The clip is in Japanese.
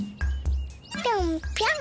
ぴょんぴょん。